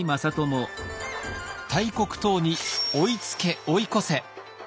大国唐に追いつけ追い越せ。